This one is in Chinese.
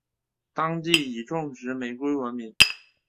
当地以种植玫瑰闻名。